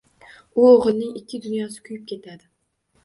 U o‘g‘ilning ikki dunyosi kuyib ketadi.